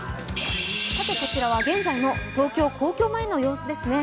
こちらは現在の東京・皇居前の様子です。